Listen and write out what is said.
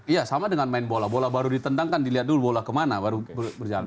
iya sama dengan main bola bola baru ditendangkan dilihat dulu bola kemana baru berjalan